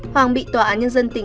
hoàng bị tòa án nhân dân tỉnh